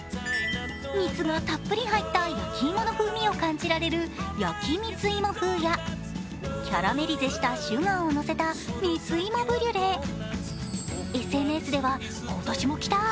蜜がたっぷり入った焼き芋の風味を感じられる焼き蜜いも風や、キャラメリゼしたシュガーをのせたＳＮＳでは、今年もきたー！